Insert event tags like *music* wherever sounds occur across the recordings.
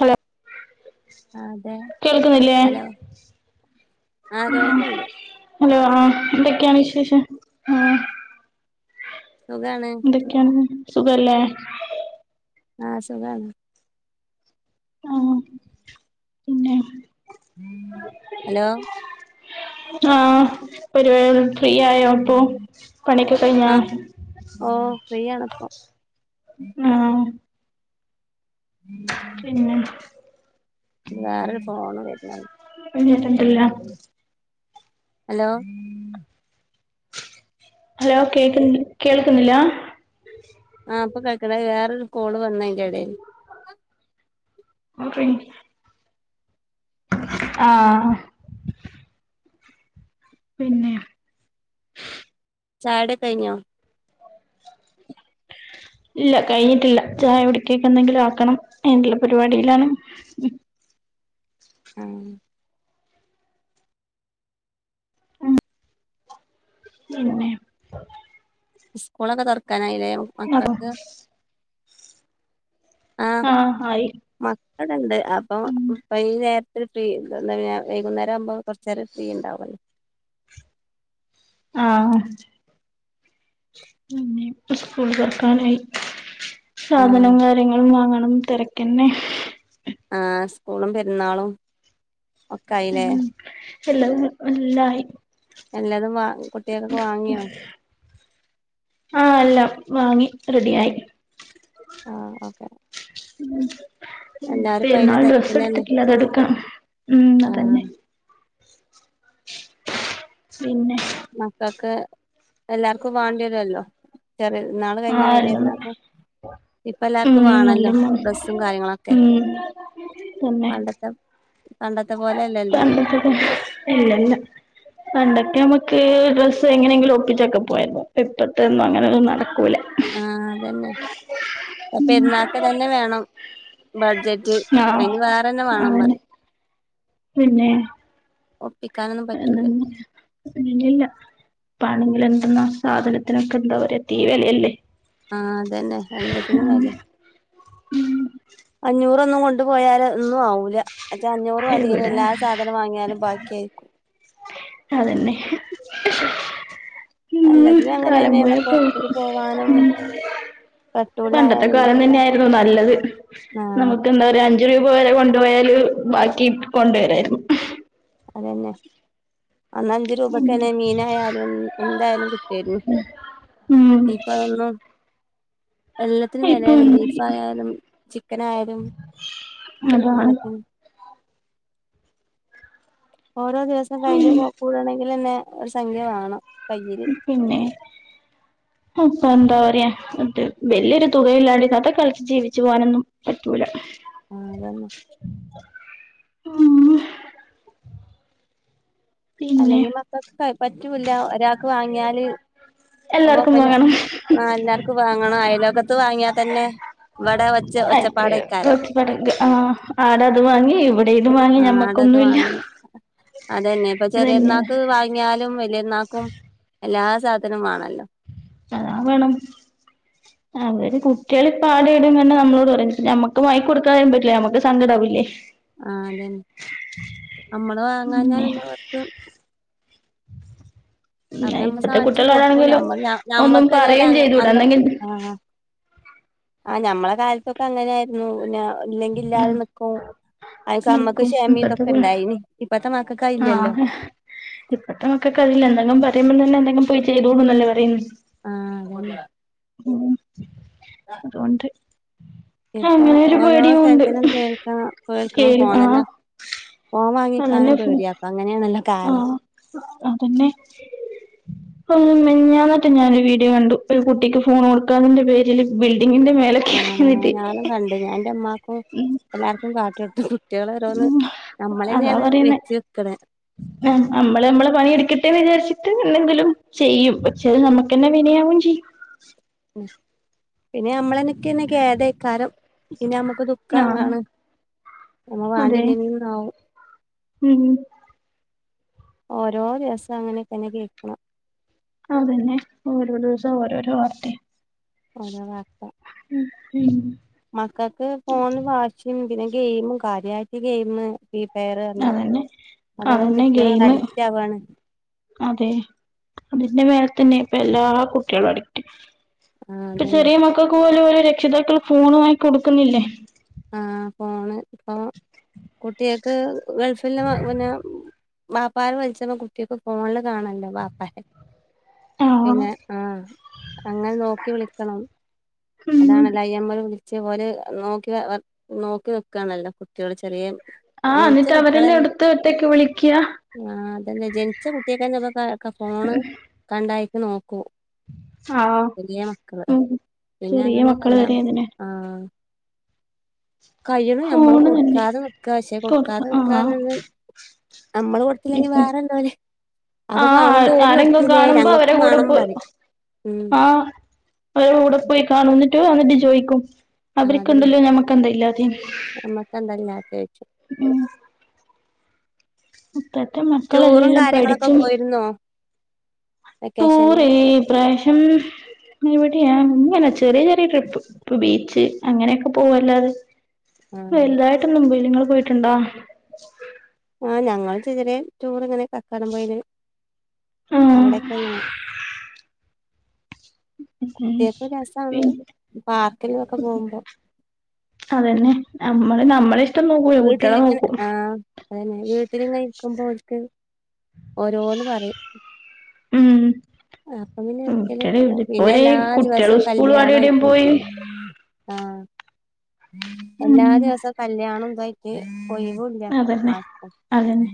Hello ആഹ് അതെ കേൾക്കുന്നില്ലേ ഹലോ ആഹ് കേൾക്ക്‌ണ്ട്. ഹലോ ആഹ് എന്തൊക്കെയാണ് വിശേഷം? ആഹ് സുഖാണ്. എന്തൊക്കെയാണ് സുഖല്ലേ? ആഹ് സുഖാണ്. ആഹ് പിന്നെ? ഹലോ ആഹ പറപ ഫ്രീ ആയോ ഇപ്പൊ പണിക്ക കഴിഞ്ഞാ ആ ഓ ഫ്രീയാണ് ഇപ്പൊ ആഹ ഉം പിന്നെ വേറെൊരു ഫോണ് വരുന്ന പിന്നെന്തെല്ലാ ഹലോ ഹലോ കേക്കണ്ട് കേൾക്കുന്നില്ല ആഹ് അൊ കഴക്കട വേറെൊരു കോള് വന്നതിന്റെറെടൽ *inaudible* ആഹ പിന്നെ ചായടെ കഴിഞ്ഞോ ഇല്ല കഴിഞ്ഞിട്ടില്ല ചായ ഉടിക്കിയൊക്കെ എന്തെങ്കിലും ആക്കണം അുള്ള പരിപാടിയിലാണ് ഉം പിന്നെ സ്കൂളൊക്കെ തോർക്കാനായില്ലേ അതോ ആഹ ആയി അടെണ്ട് അപ്പംപ്പൈഈ നേരത്തെ ഫ്രീ എാ വൈകുന്നേരം ആവുമ്പോ കുറച്ച നേരം ഫ്രീ ഉണ്ടാവല്ല ആ പി സ്കൂൾ തോറക്കാനായി ആ സാധനം കാര്യങ്ങളും വാങ്ങണം തിരക്ക തന്നെ ആ സ്കൂളും പെരുന്നാളും ഒക്കെയില്ലേ എല്ലും നല്ലായി എല്ലാതും വാങ്ങി കുട്ടികൾക്കൊക്കെ വാങ്ങിയോ ആ് അല്ല വാങ്ങി റെഡി ആയി ആ ഓക്കെ എല്ലാരും ഇപ്പ അതിന്റെ പെരുന്നാൾ ഡ്രസ്സ് തിരക്കിലന്നെ എടുത്തിക്കില്ല അതെടുക്കാം ഉം ആഹ് അതന്നെ പിന്നെ? മക്കക്ക് എല്ലാർക്കും വാണ്ടിയെരൊല്ലോ ചെറിയപെര്ന്നാള് ആ കയിഞ്ഞ് വെല്യ എല്ലാം പെര്ന്നാക്കും ഇപ്പ എല്ലാർക്കും ഉം നല്ല വേണല്ലോ ഡ്രസ്സും കാര്യങ്ങളൊക്കെ ഉം പണ്ടത് *unintelligible* പണ്ടത്തെ പോലെ പണ്ടത്തത് ഇല്ല ഇല്ലാ പണ്ടൊക്കെ നമ്മക്ക് ഡ്രസ്സ് എങ്ങനെങ്കിലും ഒപ്പിച്ചൊക്കെ പോയാ മതി ഇപ്പത്തതൊന്നും അങ്ങനൊന്നും നടക്കൂലാ ആഹ് അതന്നെ ഇപ്പൊ പെര്ന്നാക്ക് തന്നെ വേണം ബഡ്ജറ്റ് ആ അയിന് വേറെന്നെ വേണം അതന്നെ പറയും പിന്നെ ഒപ്പി *unintelligible* ഇല്ല ഇല്ലാ ഇപ്പാണെങ്കിലെന്ത്ന്നാ സാധനത്തിനൊക്കെ എന്താ പറിയാ തീ വെലയല്ലേ ആഹ് അതന്നെ എല്ലത്തിനും വെലയാ അഞ്ഞൂറൊന്നും കൊണ്ടു പോയാല് ഒന്നും ആവൂലാ അജ് അഞ്ഞൂറ് മതിയേനും എവിടെ എല്ലാ സാധനം വാങ്ങിയാലും ബാക്കി ആയിക്കും അതന്നെ ഉം എല്ലാത്തിനും കാലം പോയ അങ്ങനെന്നെയാണ് പോക്ക് പൊറത്ത്ക്ക് പോവാനും ഉം പണ്ടത്തെ പെട്രോളിനായാലും കാലം എല്ലാത്തിനും തന്നെയായിരുന്നു നല്ലത് ആഹ് നമുക്ക് എന്താ പറയാ അഞ്ച് അഞ്ച് രൂപ വരെ കൊണ്ടു പോയാലും ബാക്കി കൊണ്ട് വരായിരുന്നു അതന്നെ അന്നഞ്ച് രൂപക്കന്നെ മീനായാലും എന്തായാലും കിട്ടേരുന്നു ഉം ഇപ്പ അതൊന്നും എല്ലാത്തിനും ഇപ്പൊ വെലയാണ് ബീഫായാലും ചിക്കനായാലും അതാണ് എല്ലാത്തിനും ഓരോ ദിവസം കഴിഞ്ഞു പോ കൂടണെങ്കിലെന്നെ ഒരു സംഖ്യ വേണം കൈയ്യി ഉം പിന്നെ അപ്പൊ എന്താ പറയാ *unintelligible* വല്യൊരു തുകയില്ലാണ്ട് ഇന്നത്തെ കാലത്ത് ജീവിച്ച് പോവാനൊന്നും പറ്റൂലാ ആഹ്‌ അതന്നെ ഉം പിന്നെ അല്ലെങ്കി മക്കക്ക് ക പറ്റൂല്ലാ ഒരാക്ക് വാങ്ങിയാല് അപ്പൊ എല്ലാർക്കും പിന്നെ വാങ്ങണം ആഹ് എല്ലാർക്കും വാങ്ങണം അയലോക്കത്ത് വാങ്ങിയാ തന്നെ ഇവിടെ ഒച്ച ഒച്ചപ്പാടേക്കാരം *unintelligible* ആഹ് ആട അത് വാങ്ങി ഇവിടെ ഇത് വാങ്ങി ഞമ്മക് ന്നത് വാങ്ങി അതെന്നെ ഇപ്പ അതന്നെയാണ് ചെറിയെര്ന്നാക്ക് വാങ്ങിയാലും വലിയെര്ന്നാക്കും എല്ലാ സാധനോം വാണല്ലോ അതാ വേണം അവര് കുട്ട്യേള് ഇപ്പ ആടേം ഇടേം കണ്ടാ നമ്മളോട് പറയും ഞമ്മക്ക് വാങ്ങി കൊടുക്കാതേം പറ്റൂലാ ഞമ്മക്ക് സങ്കടാവൂല്ലേ ആഹ്‌ അതെന്നെ അമ്മള് വാങ്ങാഞ്ഞാ പിന്നെ പിന്നവർക്ക് അപ്പൊ ഞമ്മള് ഇപ്പത്തെ സാധിച്ചു കൊടുക്കു കുട്ടികളോടാണെങ്കിലും ഞമ്മള് ഞ ഒന്നും ഞമ്മക്ക് *unintelligible* പറയേം അങ്ങ് ചെയ്തൂടാ അന്ന് എന്നെങ്കിൽ ആഹ് ആഹ് ഞമ്മളെ കാലത്തൊക്ക അങ്ങനെയാരുന്നു പിന്നാ ഇല്ലെങ്കി ഇല്ലാതെ നിക്കും അയ്ക്ക് അമ്മക്ക് നിക്കും ക്ഷമേം ഇതൊക്ക ഇണ്ടായിനി ഇപ്പത്തെ മക്കക്കയി ആഹ്‌ ഇപ്പത്തെ മക്കക്ക് അതില്ലാ എന്തെങ്കും പറയുമ്പം തന്ന എന്തെങ്കും പോയി ചെയ്തൂടുന്നല്ലേ പറയ്ന്ന് ആഹ്‌ അതന്നെ ഉം അതുകൊണ്ട് ഇപ്പം അങ്ങനെ ഒരു ഓരോ പേടിയും സ്ഥലത്തിലും ഉണ്ട് കേൾക്കണം കേൾക്കണ് സ്കെയിൽ ഫോൺ ആഹ് തന്നാ ഫോൺ അതന്നെ വാങ്ങിയെക്കാനും ഫുൾ പേടിയാ ഇപ്പം അങ്ങനെയാണല്ലോ കാലം ആഹ് അതന്നെ ഓ മിൻഞാന്നേറ്റെ ഞാനൊരു വീഡിയോ കണ്ടു ഒരു കുട്ടിക്ക് ഫോണ് കൊടുക്കാതിന്റെ പേരില് ബിൽഡിങ്ങിന്റെ മേലെ ആഹ്‌ കേറിന്നിട്ട് ഞാനും കണ്ട് ഞാന്റെ മ്മാക്കും എല്ലാർക്കും കാട്ടിട്ത്തു. ട്ട്യാള് ഓരോന്ന് ഞമ്മളന്നേണ് വേര്തി വെക്ക്ണ് ആഹ്‌, അമ്മള് അമ്മളെ പണിയെടുക്കട്ടേന്ന് വിചാരിച്ചിട്ട് എന്തെങ്കിലും ചെയ്യും പക്ഷെ അത് ന്നമ്മക്കന്നെ വിനയാവും ചെയ്യും. ഉം, പിന്നെ അമ്മളന്നെക്കെന്നേ കേതേയ്ക്കാരം പിന്നെ അമ്മക്ക് ദു ആഹ് ഖാണ് നമ്മ അതെ വാണ്ടില്ലേനീന്നാവും ഉം ഓരോ ദിവസം അങ്ങനെ തന്നെ കേയ്ക്ക്ണ്. അതന്നെ ഓരോ ദിവസം ഓരോരോ വാർത്തെ. ഓരോ വാർത്ത ഉം മക്കക്ക് ഫോൺ വാ ഷും പിന്നെ ഗെയിമും കാര്യായിട്ട് ഗെയിമ് ഇ പേറാണ് അതന്നെ അതോണ്ടക്ക അതന്നെ കുട്ട്യാള് ഗെയിമ് അഡിക്റ്റ് ആവ് ആണ്. അതെ അതിന്റെ മേലെ തന്നെ ഇപ്പ എല്ലാ കുട്ട്യാളും അഡി ആഹ് ഇപ്പ അതന്നെ ചെറിയ മക്കൾക്ക് പോലും ഓരോ രക്ഷിതാക്കള് ഫോണ് വാങ്ങി കൊടുക്കുന്നില്ലേ. ആഹ് ഫോണ് പ്പൊ കുട്ട്യാൾക്ക് ഗൾഫില് മ പിന്നാ ബാപ്പാര് വ്ൾച്ച്മ്പൊ കുട്ട്യാൾക്ക് ഫോൺല് കാണാല്ലോ ബാപ്പാരേ ആഹ് പിന്നെ ആഹ്‌, അങ്ങനെ നോക്കി വിളിക്കണം ഉം അതാണല്ല ഐ എം ഒ വിളി ച്ചേ ഓര് നോക്കിവ വർ നോക്കി ന്ന്ക്കാണല്ലോ കുട്ട്യാള് ചെറിയെ ആഹ്‌ ന്ന്ട്ട് അവരന്നെ എടുത്ത് ഒറ്റക്ക് വ്ളിക്ക്യാ ആഹ്‌ അതന്നെ ജൻച്ച കുട്ട്യേക്കന്നെ ഇപ്പൊക്ക ക്ക ഫോണ് കണ്ടാ അയ്ക്ക് ന്നൊക്കും. ആഹ്‌ ഉം, ചെറിയ മക്കള് വരെ അതിനെ ആഹ്‌. കയ്യ്ണും ഞമ്മള് ഫോണ് തന്നെ കൊടുക്കാതെ ന്ന്ക്കാ പക്ഷെ കൊടുക്ക കൊടുക്കാതെ ആഹ് ന്ന്ക്കാനൊന്നും അമ്മള് കൊട് ഇല്ലെങ്കി വേറന്തോലെ ആഹ്‌ ആരെങ്കും കാണുമ്പോ അവരെ ഞങ്ങക്കും കൂടെ വേണം പോയി പറയും ഉം ആഹ്‌ അവരേ കൂടെ പോയി കാണും ന്നിട്ട് വന്നിട്ട് ചോയ്ക്കും. ആഹ് അതന്നെ അവര്ക്ക്ണ്ടല്ലോ ഞമ്മക്കന്താ ഇല്ലാതേന്ന് നമ്മക്കെന്താ ഇല്ലാത്തെ ചോയ്ച്ചും ഉം. അ്‌പ്പത്തെ ടൂറും മക്കളെല്ലാം കാര്യങ്ങളൊക്കെ പഠിച്ചും പോയിരുന്നോ വെക്കേഷനില് ടൂറേയ് ഇപ്രാശ്യം എവിടെയാണ് *unintelligible* ചെറിയേ ചെറിയേ ട്രിപ്പ് പ്പൊ ബീച്ച് അങ്ങനെക്ക പോവല്ലാതെ ആഹ് വൽതായി ട്ടൊന്നും പോയില്ല നിങ്ങള് പോയിട്ട്ണ്ടോ? ആഹ്, ഞങ്ങൾ ചെറി ചെറിയെ ടൂറ് ഇങ്ങനെ കക്കാടം പോയേല് ആഹ് അവടെക്കങ്ങനെ കുട്ട്യാക്ക് രസാണ് പിൻ പാർക്കിലൊക്കെ പോവുംമ്പോ. അതന്നെ നമ്മള് നമ്മളെ ഇഷ്ടം നോക്കൂല കുട്ട്യാളെ ന്നൊക്കും. അയന്നെ വ്ട്ടിലിങ്ങനെ ഇരിക്കുമ്പോ ഓൽക്ക് ഓരോന്ന് പറയും. ഉം. അപ്പ പിന്നെ എവ്ട്ക്കേലൊക്കെ കുട്ടികള് പോകും പിന്നെ ഇതിപ്പോരെ എല്ലാ കുട്ടികള് ദിവസം സ്കൂളും അവിടെ ഇവിടെയും കല്യാണായിട്ടും. പോയി ആഹ്, എല്ലാ ഉം ദിവസം കല്യാണം തായിറ്റ് ഒയ് വും ല്ല്യാ അതന്നെ ആർക്കും. അതന്നെ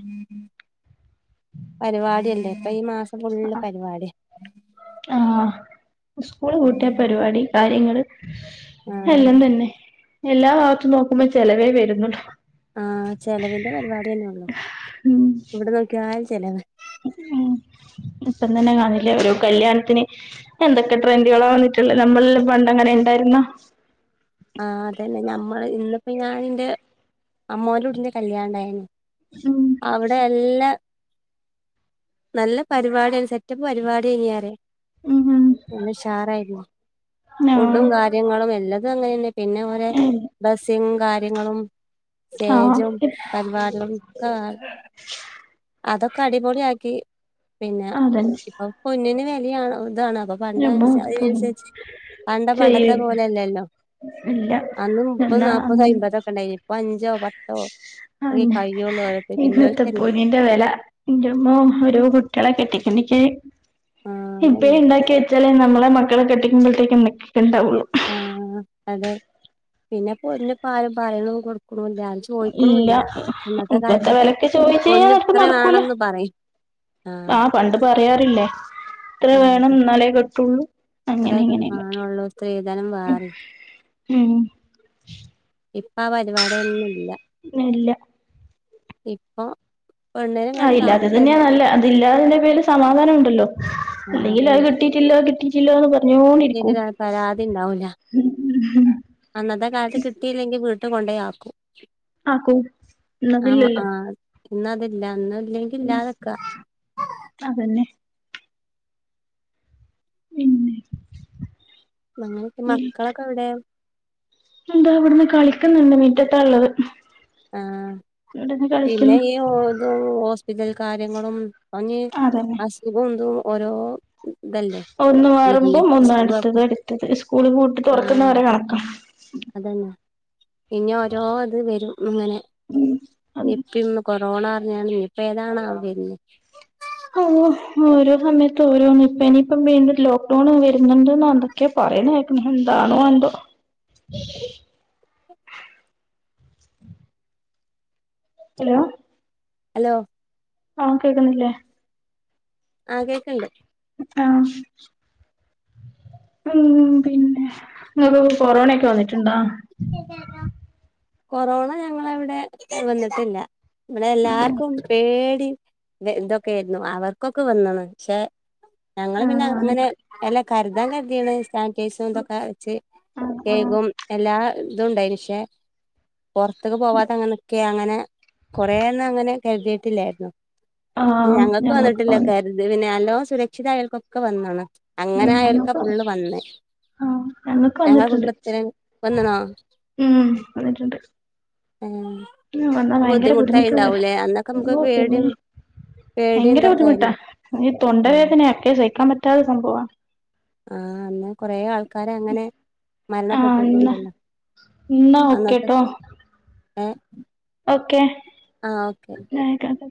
പരിവാടിയല്ലേ ഇപ്പൊ ഈ മാസം ഫുള്ള് പരിവാടിയാ. ആഹ് സ്കൂള് പൂട്ടിയാ പരിവാടി കാര്യങ്ങള് ആഹ് എല്ലാം തന്നെ എല്ലാ ഭാഗത്തും നോക്കുമ്പോ ചെലവേ വരുന്നൊള്ളു. ആഹ് ചെലവിന്റെ പരിവാടിയെന്നെള്ളു ഉം എവടെ നോക്കിയാലും ചെലവ്. ഉം ഇപ്പം തന്നെ കാണില്ലേ ഒരോ കല്യാണത്തിന് എന്തൊക്കെ ട്രെൻറുകളാ വന്നിട്ടുള്ള് നമ്മളെല്ലാം പണ്ട് അങ്ങനെ ഇണ്ടാരുന്നാ ആഹ് അതന്നെ ഞമ്മള് ഇന്നിപ്പോ ഞാനിന്റെ അമ്മോന്റെ കുട്ടിന്റെ കല്യാണണ്ടായിന്നു ഉം അവടെ എല്ല നല്ല പരിപാടിയാണ് സെറ്റപ്പ് പരിപാടിയ്ന്ന്റയാ ഉം ഉം നല്ല ഉഷാറാരുന്നു നോ ഫുഡും കാര്യങ്ങളും എല്ലതും അങ്ങനെന്നെ പിന്നെ ഓരെ ഏഹ് ഡ്രസിങ്ങും കാര്യങ്ങളും ആഹ് സ്റ്റേജും പരിപാടികളും ക്കെ ആഹ് അതൊക്കെ അടിപൊളിയാക്കി പിന്നെ അതന്നെ ഇപ്പോ പൊന്നിന് വെലയാണ് ഇതാണ് അതോ ഞമ്മ ഇപ്പം *unintelligible* പണ്ടം പണ്ടത്തെ ചെയ്യും പോലെല്ലല്ലോ ഇല്ല അന്ന് മുപ്പതും എന്നാ നാല്പ്പതും അയ്മ്പതൊക്കെണ്ടായിന്ന് ഇപ്പോ അഞ്ചോ പ അതന്നെ ഇപ്പത്തെ പോ ഇല്ലോൽക്കന്നെ ന്നിന്റെ വെല ഇന്റെമ്മോ ഒരോ കുട്ടികളെ കെട്ടിക്കിണിക്ക് ആഹ് ഇപ്പയെ അതന്നെ ഇണ്ടാക്കി വെച്ചാലേ നമ്മളെ മക്കളെ കെട്ടിക്കുമ്പഴത്തേക്കും *unintelligible* വുള്ളു. ആഹ് അതെ പിന്നെ പൊന്ന് ഇപ്പാരും പറയണത് കൊടുക്കുണുല്ല ഇല്ല ചോയിക്കുണുല്ല അന്നത്തെ ഇപ്പത്തെ കാലത്തൊക്കെ വെലക്ക് ചോദിച്ച് കഴിഞ്ഞാ പൊന്ന് ആർക്കും ഇത്ര നടക്കൂല വേണന്ന് പറയും. ആഹ് പണ്ട് പറയാറില്ലേ ഇത്ര വേണം ഇന്നാലേ കെട്ടുള്ളൂ. അങ്ങനെ അത്രയെക്കെ ഇങ്ങനെയൊക്കെ കാണുള്ളൂ സ്ത്രീധനം വേറേം ഉം ഇപ്പ ആഹ്‌ പരിപാടിയൊന്നുല്ല. ഇല്ല ഇപ്പോ ആഹ് ഇല്ലാത്ത തന്നെയാ നല്ലത് അതില്ലാതതിന്റെ പേരില് സമാധാനം ഉണ്ടല്ലോ ആ അല്ലെങ്കിൽ അത് കി കിട്ടിട്ടില്ലോ കിട്ടിട്ടില്ലോന്ന് പറഞ്ഞോണ്ടിരിക്കും അതന്നെ പരാതി ഉണ്ടാവൂല അന്നത്തെ കാലത്ത് കിട്ടിയില്ലെങ്കി വീട്ടി കൊണ്ടേയാക്കും. ആക്കും ആഹ് എന്നതില്ലല്ലോ ആഹ് ഇന്നതില്ല ഇന്ന് ഇല്ലെങ്കിൽ ഇല്ലാതിക്കാ അതന്നെ പിന്നെ അങ്ങനക്കെ മക്കളൊക്കെ എവടെ? എന്താ ഇവടന്ന് കളിക്ക്ന്നണ്ട് മീറ്റത്താള്ളത്. ആഹ് പിന്നെ ഈഹ് ഓതും ഹോസ്പിറ്റൽ കാര്യങ്ങളും *unintelligible* അതന്നെ അസുഖം ഇതും ഓരോ ഇതല്ലേ ഒന്ന് വര്ണെ മാറുമ്പോം ഒന്നടുത്തത് അടുത്തത് സ്കൂള് പൂട്ടി ആ തൊറക്കുന്നവരെ കണക്കാ അതന്നെ ഇനി ഓരോ ഇത് വരും ഇങ്ങനെ ഉം *unintelligible* കൊറോണ പറഞ്ഞാണ് ഇനിപ്പ ഏതാണാ വരുന്നേ ഓഹ് ഓരോ സമയത്ത് ഓരോന്നിപ്പ ഇനിപ്പം വീണ്ടും ലോക്ക്ഡൌൺ വരുന്നുണ്ട്ന്നാ ക്കെ പറേണ കേക്കണ് എന്താണോ എന്തോ ഹലോ ഹലോ ആഹ് കേക്കുന്നില്ലേ ആഹ് കേക്കണ്ട് ആഹ് ഉം പിന്നെ നിങ്ങക്കൊക്കെ കൊറോണൊക്കെ വന്നിട്ടുണ്ടാ? കൊറോണ ഞങ്ങളവടെ വന്നിട്ടില്ല. ഇവട എല്ലാർക്കും പേടി ഇതൊക്കെ ഏരുന്നു അവർക്ക് ഒക്കെ വന്ന്ണ് പക്ഷെ ഞങ്ങള് ആ പിന്നെ അങ്ങനെ നിക്ക് എല്ലാ കരുതാൻ കരുതിയെണ് സാനിറ്റൈസും ഇതൊക്കെ അടിച്ച് ആ ആ കേയ്കും എല്ലാ ഇതുണ്ടായിന് പക്ഷേ പുറത്തക്ക് പോവാത അങ്ങനെ നിക്കെയ അങ്ങനെ കൊറെ ഒന്നും അങ്ങനെ കരുതിയിട്ടില്ലായിരുന്നു ആ ഞങ്ങൾക്ക് വന്നിട്ടില്ല കര് ഇത് പിന്നെ നല്ലോ സുരക്ഷിത അയോൽക്ക് ഒക്കെ വന്ന്ണ്. അങ്ങനെ ആയാൽക്ക ഞങ്ങൾക്ക് ഫുള്ള് വന്നേ ആ ഞങ്ങൾക്ക് ഞങ്ങള വന്നിട്ടുണ്ട് കുടുംബത്തി ല വന്ന്ണോ? ഉം വന്നിട്ടുണ്ട്. ഉം. ഉം വന്നാ ഭയങ്കര ബുദ്ധിമുട്ടുള്ള നമുക്ക് യോ പിന്നെ പേടിയും പേടിയും ഭയങ്കര ഇതൊക്കെ ആയിരുന്നു ബുദ്ധിമുട്ടാ ഈ തൊണ്ട ആഹ് വേദനയൊക്കെ സഹിക്കാൻ പറ്റാത്ത സംഭവാണ്. ആഹ് എന്ന കൊറെ ആൾക്കാര് അങ്ങനെ ആ എന്നാ മരണപ്പെട്ടിട്ടുണ്ടല്ലോ. എന്നാ അന്നത്തെ ഓക്കെട്ടോ ഏ ഓക്കെ എന്നായിക്കാണ്ട്.